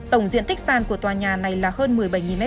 tổng diện tích sàn của tòa nhà này là hơn một mươi bảy m hai